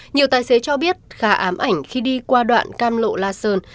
nhiều tài xế cho biết khá ám ảnh khi đi qua đoạn cam lộ la sơn